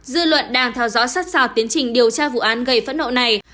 dư luận đang theo dõi sát sao tiến trình điều tra vụ án gây phẫn nộ này